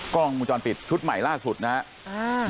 กล้องวงจรปิดชุดใหม่ล่าสุดนะครับ